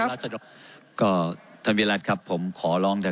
ไม่ได้เป็นประธานคณะกรุงตรี